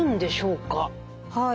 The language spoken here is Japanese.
はい。